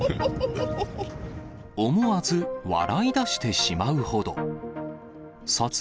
思わず笑いだしてしまうほど。